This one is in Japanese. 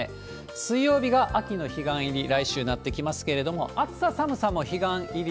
水曜日が秋の彼岸入りに、来週なってきますけれども、暑さ、寒さも彼岸入り。